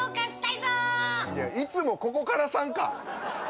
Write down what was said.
いやいつもここからさんか！